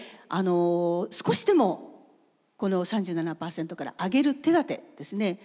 あの少しでもこの３７％から上げる手だてですね